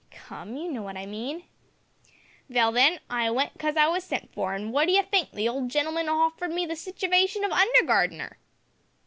"Come, you know what I mean." "Vell, then, I went because I was sent for, an' wot d'ye think? the old gen'l'man hoffered me the sitivation of under gardener!"